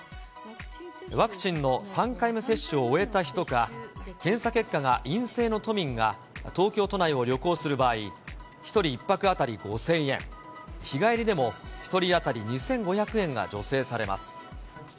ワクチンの３回目接種を終えた人か、検査結果が陰性の都民が東京都内を旅行する場合、１人１泊当たり５０００円、日帰りでも１人当たり２５００円が助成されます。